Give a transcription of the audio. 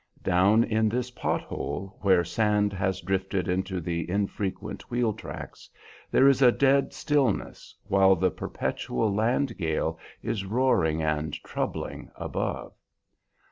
Down in this pothole, where sand has drifted into the infrequent wheel tracks, there is a dead stillness while the perpetual land gale is roaring and troubling above.